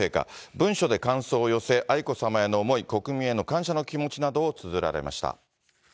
文書で感想を寄せ、愛子さまへの思い、国民への感謝の気持ちなどをつづられました。